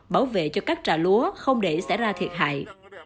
bảo vệ cho các trà lúa không để xảy ra thiệt hại